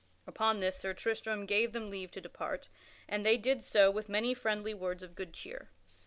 Upon this Sir Tristram gave them leave to depart, and they did so with many friendly words of good cheer.